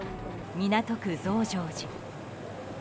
港区増上寺。